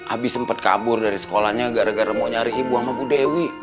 abis sempat kabur dari sekolahnya gara gara mau nyari ibu sama bu dewi